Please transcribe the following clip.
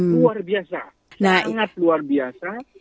luar biasa sangat luar biasa